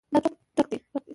دا چوک ډک دی.